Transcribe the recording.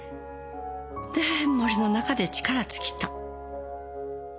で森の中で力尽きた。